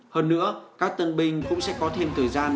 hơn nữa các tân binh cũng sẽ có thêm thời gian